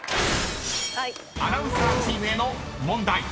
［アナウンサーチームへの問題］